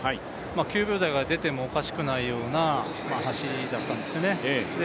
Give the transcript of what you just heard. ９秒台が出てもおかしくないような走りだったんですね。